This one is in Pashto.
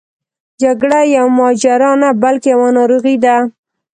جګړه یوه ماجرا نه بلکې یوه ناروغي ده.